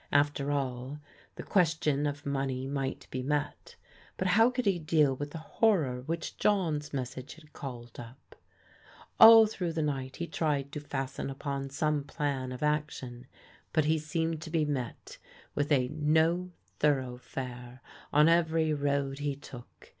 After all, the question of money might be met, but how could he deal with the horror which John's message had called up ? All through the night he tried to fasten upon some plan of action, but he seemed to be met with a "no thoroughfare" on every road he took.